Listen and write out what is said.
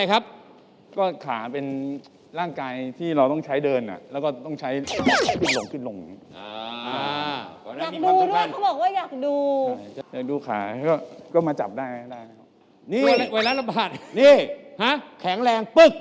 ชอบขาเพราะอะไรครับชอบขาเพราะอะไรครับ